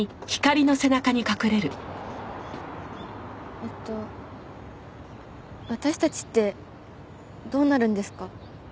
えっと私たちってどうなるんですか？